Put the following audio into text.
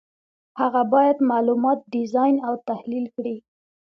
هغه باید معلومات ډیزاین او تحلیل کړي.